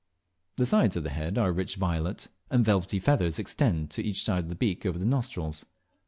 The sides of the head are rich violet, and velvety feathers extend on each side of the beak over the nostrils.